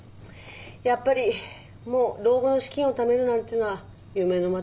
やっぱりもう老後の資金をためるなんていうのは夢のまた夢よね。